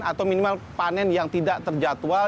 atau minimal panen yang tidak terjatual